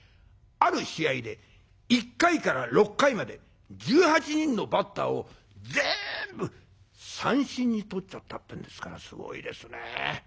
ある試合で１回から６回まで１８人のバッターをぜんぶ三振にとっちゃったってんですからすごいですね。